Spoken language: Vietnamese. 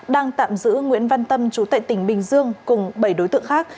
đang tạm giữ nguyễn văn tâm trú tại tỉnh bình dương cùng bảy đối tượng khác